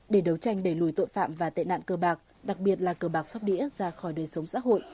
để đấu tranh đẩy lùi tội phạm và tệ nạn cơ bạc đặc biệt là cờ bạc sóc đĩa ra khỏi đời sống xã hội